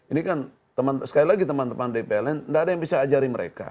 ini kan sekali lagi teman teman di pln tidak ada yang bisa ajarin mereka